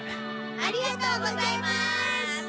ありがとうございます！